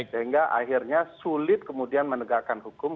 sehingga akhirnya sulit kemudian menegakkan hukum